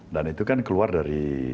dan itu kan keluar dari